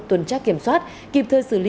tuần tra kiểm soát kịp thời xử lý